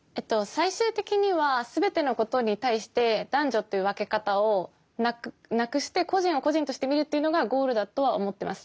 最終的には全てのことに対して男女という分け方をなくして個人を個人として見るっていうのがゴールだとは思ってます。